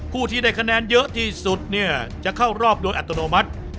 ผู้ที่ได้คะแนนเยอะที่สุดเนี่ยจะเข้ารอบโดยอัตโนมัติ